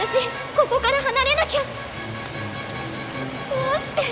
どうして？